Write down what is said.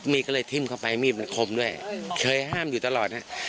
มีดก็เลยทิ้มเข้าไปมีดมันคมด้วยเคยห้ามอยู่ตลอดฮะ